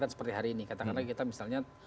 seperti hari ini katakanlah kita misalnya